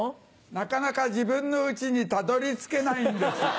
なかなか自分の家にたどり着けないんです。